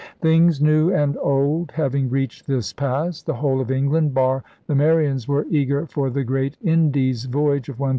Things new and old having reached this pass, the whole of England, bar the Marians, were eager for the great 'Indies Voyage' of 1585.